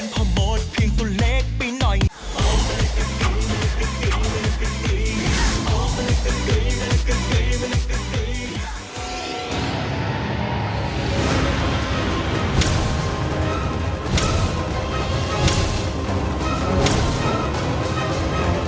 หัวดีนะ